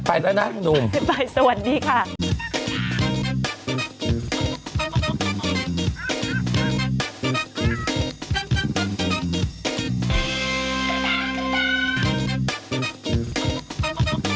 ไปแล้วนะหนุ่มไปสวัสดีค่ะ